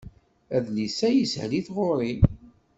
Adlis-a yeshel i tɣuri.